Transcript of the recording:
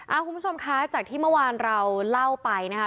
คุณผู้ชมคะจากที่เมื่อวานเราเล่าไปนะคะ